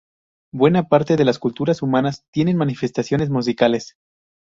Buena parte de las culturas humanas tienen manifestaciones musicales.